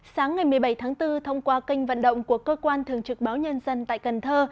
sáng ngày một mươi bảy tháng bốn thông qua kênh vận động của cơ quan thường trực báo nhân dân tại cần thơ